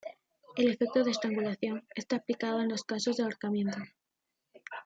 El efecto de estrangulación está aplicado en los casos de Ahorcamiento.